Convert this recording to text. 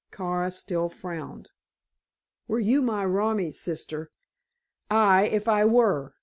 Kara still frowned. "Were you my romi, sister " "Aye, if I were.